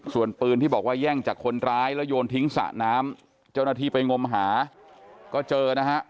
ส่วนปืนที่บอกว่าแย่งจากคนร้ายแล้วโยนทิ้งสระน้ำเจ้าหน้าที่ไปงมหาก็เจอนะฮะ